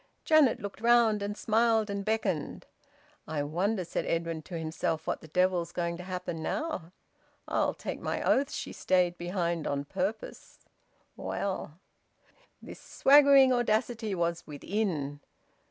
Janet looked round, and smiled and beckoned. "I wonder," said Edwin to himself, "what the devil's going to happen now? I'll take my oath she stayed behind on purpose! Well " This swaggering audacity was within.